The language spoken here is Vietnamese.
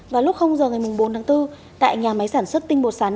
vào lúc giờ ngày bốn tháng bốn tại nhà máy sản xuất tinh bột sắn